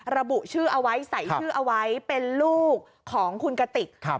ระบุชื่อเอาไว้ใส่ชื่อเอาไว้เป็นลูกของคุณกติก